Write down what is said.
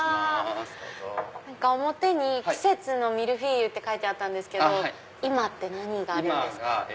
表に季節のミルフィーユって書いてあったんですけど今って何があるんですか？